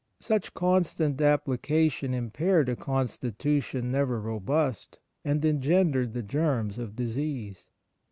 Such constant application impaired a constitution never robust, and engendered the germs of disease.